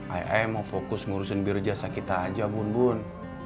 ai ai mau fokus ngurusin biar jasa kita aja bun bun